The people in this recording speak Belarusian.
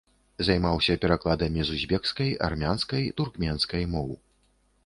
Займаўся перакладамі з узбекскай, армянскай, туркменскай моў.